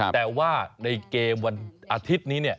แต่ว่าในเกมวันอาทิตย์นี้